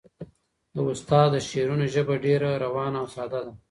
د استاد د شعرونو ژبه ډېره روانه او ساده ده.